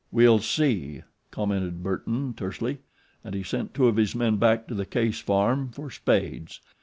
"We'll see," commented Burton, tersely, and he sent two of his men back to the Case farm for spades.